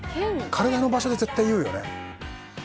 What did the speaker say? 体の場所で絶対言うよね。